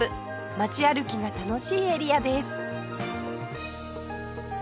街歩きが楽しいエリアです